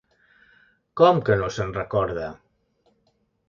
Com que no se'n recorda?